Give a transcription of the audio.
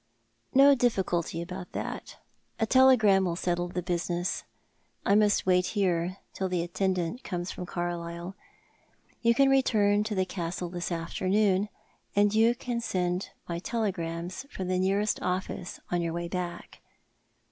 " No difficulty about that. A telegram will settle the business. I must wait here till the attendant comes from Carlisle. You can return to the Castle this afternoon, and you can send my telegrams from the nearest office on your way back."